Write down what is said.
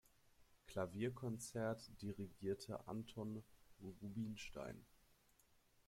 Klavierkonzert dirigierte Anton Rubinstein.